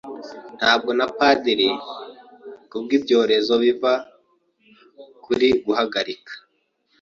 Ntabwo na Padiri kubwibyorezo biva kuri guhagarika